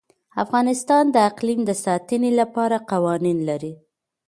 افغانستان د اقلیم د ساتنې لپاره قوانین لري.